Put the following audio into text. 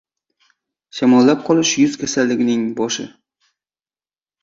• Shamollab qolish — yuz kasalning boshi.